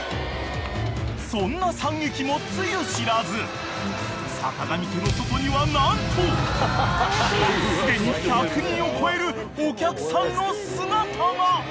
［そんな惨劇もつゆ知らず坂上家の外には何とすでに１００人を超えるお客さんの姿が］